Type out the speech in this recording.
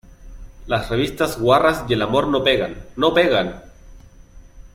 las revistas guarras y el amor no pegan. ¡ no pegan!